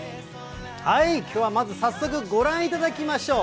きょうはまず早速、ご覧いただきましょう。